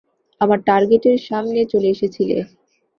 আমার টার্গেটের সামনে চলে এসেছিলে।